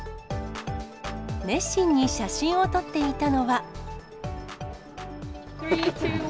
熱心に写真を撮っていたのは。